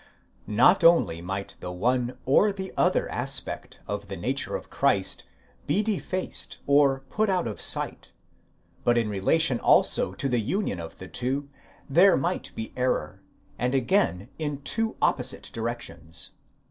* Not only might the one or the other aspect of the nature of Christ be de faced or put out of sight, but in relation also to the union of the two, there might be error, and again in two opposite directions.